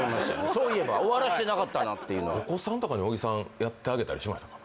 そういえば終わらしてなかったなっていうのお子さんとかに小木さんやってあげたりしましたか？